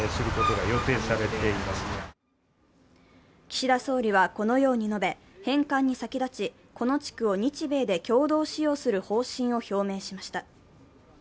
岸田総理はこのように述べ返還に先立ちこの地区を日米で共同使用する方針を表明しました。